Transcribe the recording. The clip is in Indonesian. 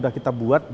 jadi kita bisa mencari